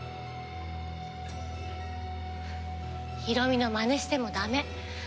ヒロミのまねしてもダメ。